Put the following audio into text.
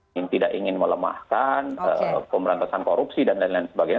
yang tidak ingin melemahkan pemberantasan korupsi dan lain lain sebagainya